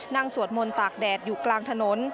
สวดมนต์ตากแดดอยู่กลางถนน